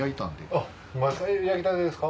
あっ焼きたてですか？